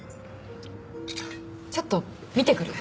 ちょっと見てくる。